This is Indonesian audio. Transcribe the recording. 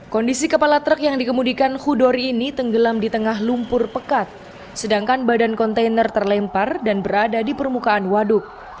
kondisi kepala truk yang dikemudikan hudori ini tenggelam di tengah lumpur pekat sedangkan badan kontainer terlempar dan berada di permukaan waduk